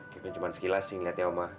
kepen cuma sekilas sih ngeliatnya oma